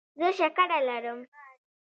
زه شکره لرم.